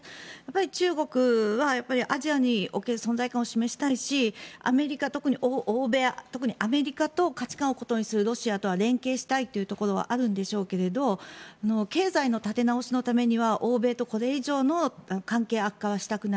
中国はアジアにおける存在感を示したいし特にアメリカと価値観を異にするロシアとは連携したいところがあるんでしょうけど経済の立て直しのためには欧米とこれ以上の関係悪化はしたくない。